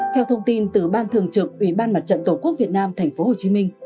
theo thông tin từ ban thường trực ủy ban mặt trận tổ quốc việt nam tp hcm